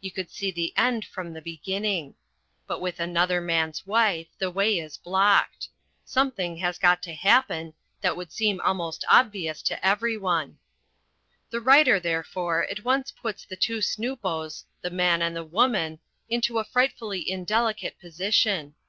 You could see the end from the beginning. But with Another Man's Wife, the way is blocked. Something has got to happen that would seem almost obvious to anyone. The writer, therefore, at once puts the two snoopos The Man and The Woman into a frightfully indelicate position.